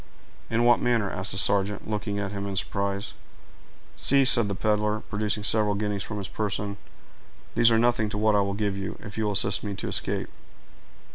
"In what manner?" asked the sergeant, looking at him in surprise. "See," said the peddler, producing several guineas from his person; "these are nothing to what I will give you, if you will assist me to escape."